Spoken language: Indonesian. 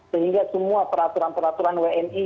sehingga semua peraturan peraturan wni